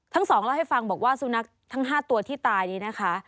ทั้งสองเล่าให้ฟังบอกว่าสุนัขทั้ง๕ตัวที่ตายนี้นะคะ